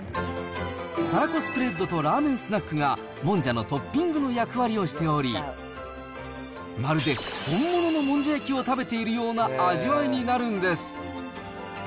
たらこスプレッドとラーメンスナックが、もんじゃのトッピングの役割をしており、まるで本物のもんじゃ焼きを食べているような味わいになるんです。